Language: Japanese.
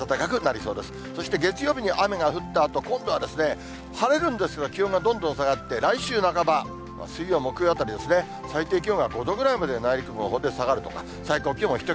そして月曜日に雨が降ったあと、今度は、晴れるんですが、気温がどんどん下がって、来週半ば、水曜、木曜あたりですね、最低気温が５度くらいまで内陸部のほうで下がるとか、最高気温も１桁。